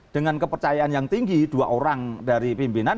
dengan kepercayaan yang tinggi dua orang dari pimpinan